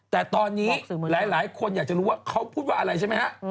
แต่ตอนนี้หลายคนอยากจะรู้ว่าเขาพูดว่าอะไรใช่ไหมฮะ